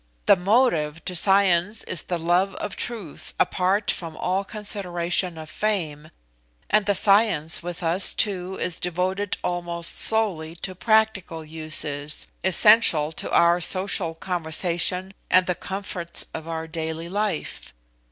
The motive to science is the love of truth apart from all consideration of fame, and science with us too is devoted almost solely to practical uses, essential to our social conversation and the comforts of our daily life.